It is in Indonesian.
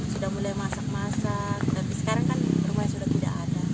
sudah mulai masak masak tapi sekarang kan rumahnya sudah tidak ada